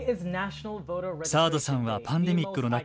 サードさんはパンデミックの中